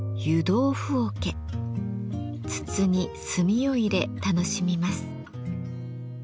筒に炭を入れ楽しみます。